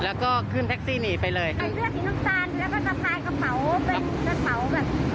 แล้วก็ขึ้นแท็กซี่หนีไปเลยใส่เสื้อสีน้ำตาลแล้วก็สะพายกระเป๋าเป็นกระเป๋าแบบ